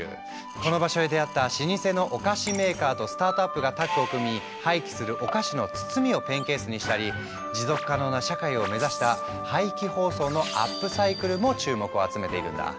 この場所で出会った老舗のお菓子メーカーとスタートアップがタッグを組み廃棄するお菓子の包みをペンケースにしたり持続可能な社会を目指したも注目を集めているんだ。